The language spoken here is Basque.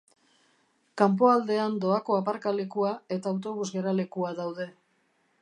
Kanpoaldean doako aparkalekua eta autobus geralekua daude.